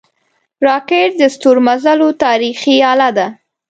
راکټ د ستورمزلو تاریخي اله ده